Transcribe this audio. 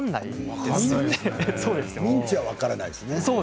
ミンチは分からないですね。